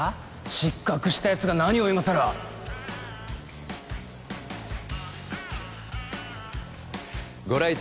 失格したやつが何をいまさらご来店